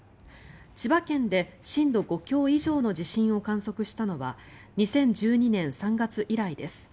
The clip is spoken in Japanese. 千葉県で震度５強以上の地震を観測したのは２０１２年３月以来です。